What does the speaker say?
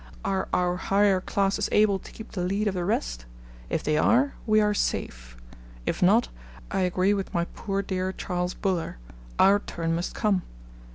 Are our higher classes able to keep the lead of the rest? If they are, we are safe; if not, I agree with my poor dear Charles Buller our turn must come.